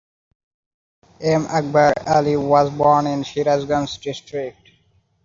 M Akbar Ali was born in Sirajganj District.